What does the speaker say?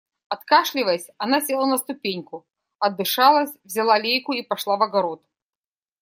Откашливаясь, она села на ступеньку, отдышалась, взяла лейку и пошла в огород.